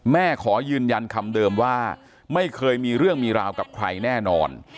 ขอยืนยันคำเดิมว่าไม่เคยมีเรื่องมีราวกับใครแน่นอน